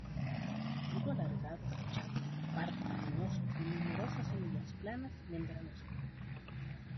Fruto alargado, chato, pardo, leñoso, con numerosas semillas, planas, membranosas.